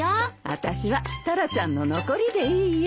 私はタラちゃんの残りでいいよ。